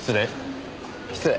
失礼。